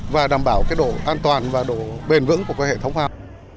và đảm bảo độ an toàn và độ bền vững của hệ thống phao